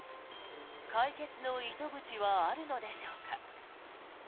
解決の糸口はあるのでしょうか。